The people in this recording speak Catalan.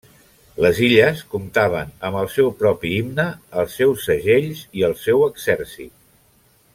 Les illes comptaven amb el seu propi himne, els seus segells i el seu exèrcit.